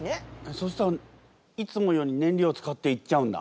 そしたらいつもより燃料使って行っちゃうんだ。